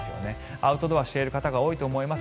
アウトドアしている方が多いと思います。